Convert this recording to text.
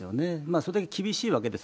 それだけ厳しいわけです。